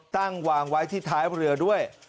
ตั้งวางไว้ที่ท้ายเรือด้วย